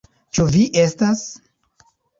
Ĉu vi estas?